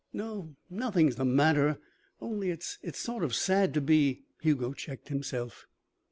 "No. Nothing's the matter. Only it's sort of sad to be " Hugo checked himself.